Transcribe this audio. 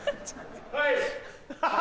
はい！